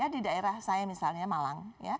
di daerah saya misalnya malang